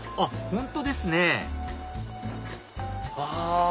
本当ですねうわ！